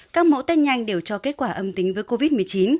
các mẫu test nhanh đều cho kết quả âm tính với covid một mươi chín